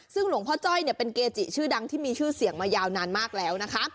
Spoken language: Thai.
ซึ่งหลวงพ่อจ้อยเป็นเกจิชื่อดังที่มีชื่อเสียงมายาวนานมากแล้วนะคะ